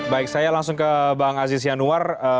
baik saya langsung ke bang aziz yanuar